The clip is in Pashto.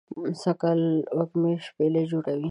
سږ کال وږمې شپیلۍ جوړوی